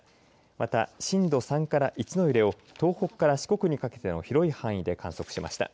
また震度３から１の揺れを東北から四国にかけての広い範囲で観測しました。